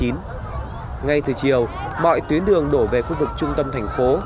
ngay từ chiều mọi tuyến đường đổ về khu vực trung tâm thành phố